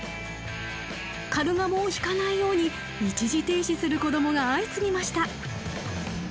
カルガモをひかないように一時停止する子供が相次ぎました。